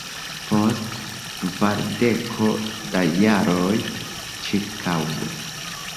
Post kvardeko da jaroj ĉirkaŭe.